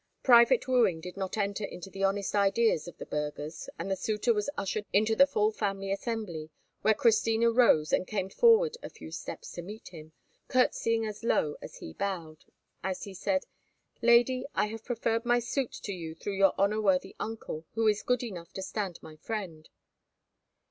Private wooing did not enter into the honest ideas of the burghers, and the suitor was ushered into the full family assembly, where Christina rose and came forward a few steps to meet him, curtseying as low as he bowed, as he said, "Lady, I have preferred my suit to you through your honour worthy uncle, who is good enough to stand my friend."